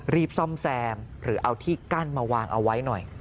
รีบซ่อมแซมหรือเอาที่กั้นมาวางเอาไว้หน่อย